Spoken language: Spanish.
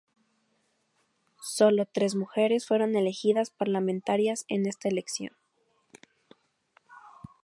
Solo tres mujeres fueron elegidas parlamentarias en esta elección.